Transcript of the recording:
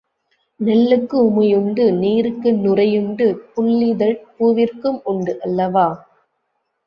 நெல்லுக்கு உமி உண்டு நீர்க்கு நுரையுண்டு புல்லிதழ் பூவிற்கும் உண்டு அல்லவா?